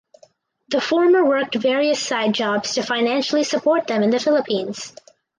The former worked various side jobs to financially support them in the Philippines.